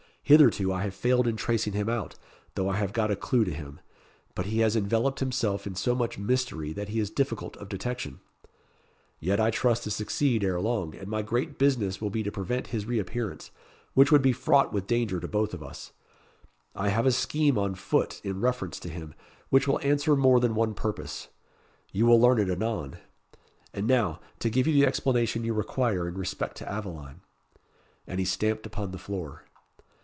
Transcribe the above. Hitherto, I have failed in tracing him out, though I have got a clue to him; but he has enveloped himself in so much mystery that he is difficult of detection. Yet I trust to succeed ere long; and my great business will be to prevent his re appearance, which would be fraught with danger to us both. I have a scheme on foot in reference to him which will answer more than one purpose. You will learn it anon. And now, to give you the explanation you require in respect to Aveline." And he stamped upon the floor.